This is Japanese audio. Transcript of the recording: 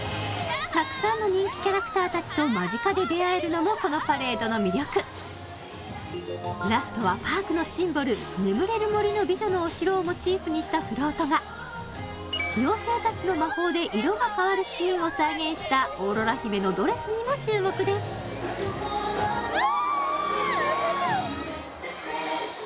たくさんの人気キャラクターたちと間近で出会えるのもこのパレードの魅力ラストはパークのシンボルのお城をモチーフにしたフロートが妖精たちの魔法で色が変わるシーンを再現したオーロラ姫のドレスにも注目ですわー！